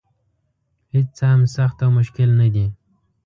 هېڅ څه هم سخت او مشکل نه دي.